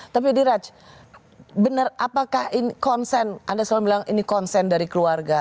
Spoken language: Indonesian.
tapi di raj benar apakah konsen anda selalu bilang ini konsen dari keluarga